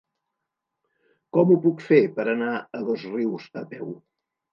Com ho puc fer per anar a Dosrius a peu?